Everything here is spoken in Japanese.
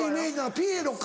ピエロか。